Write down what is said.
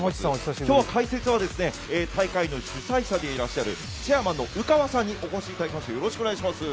今日は開設は大会の主催者でいらっしゃるチェアマンの宇川さんにお越しいただきました。